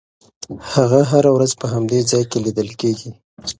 هغه هره ورځ په همدې ځای کې لیدل کېږي.